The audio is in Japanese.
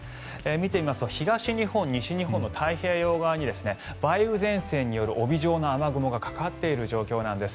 見てみますと東日本、西日本の太平洋側に梅雨前線による帯状の雨雲がかかっている状況なんです。